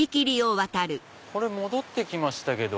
これ戻って来ましたけど。